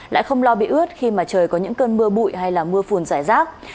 lại không lo bị ướt khi trời có những cơn mưa bụi hay mưa phùn giải rác